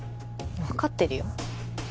分かってるよ